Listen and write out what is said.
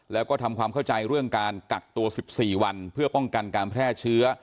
แล้วก็ทำความเข้าใจเรื่องการกักตัว๑๔วันเพื่อป้องกันการแพร่เชื้อ